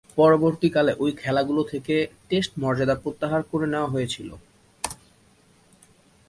পরবর্তীকালে ঐ খেলাগুলো থেকে টেস্ট মর্যাদা প্রত্যাহার করে নেয়া হয়েছিল।